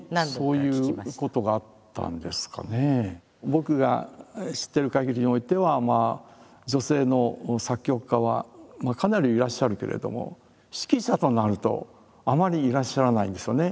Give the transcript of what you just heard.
僕が知っているかぎりにおいては女性の作曲家はかなりいらっしゃるけれども指揮者となるとあまりいらっしゃらないんですよね。